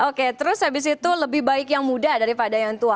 oke terus habis itu lebih baik yang muda daripada yang tua